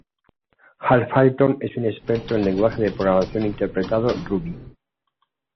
Hal Fulton es un experto en lenguaje de programación interpretado Ruby.